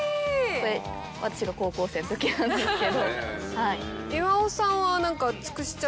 これ私が高校生のときなんですけど。